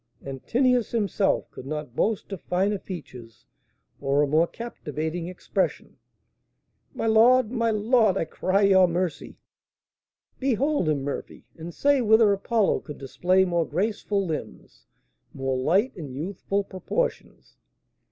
Antinous himself could not boast of finer features, or a more captivating expression." "My lord! my lord! I cry your mercy!" "Behold him, Murphy, and say whether Apollo could display more graceful limbs, more light, and youthful proportions!"